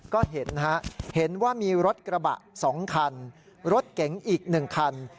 ก็เห็นฮะเห็นว่ามีรถกระบะ๒คันรถเก๋งอีก๑คัน